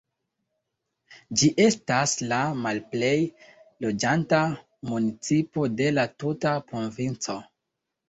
Ĝi estas la malplej loĝata municipo de la tuta provinco.